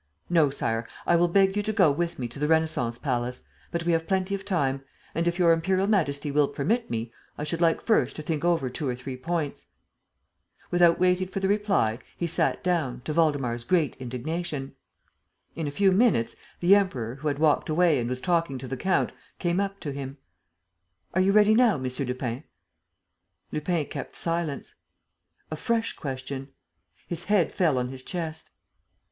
"No, Sire, I will beg you to go with me to the Renascence palace. But we have plenty of time; and, if Your Imperial Majesty will permit me, I should like first to think over two or three points." Without waiting for the reply, he sat down, to Waldemar's great indignation. In a few minutes, the Emperor, who had walked away and was talking to the count, came up to him: "Are you ready now, M. Lupin?" Lupin kept silence. A fresh question. His head fell on his chest.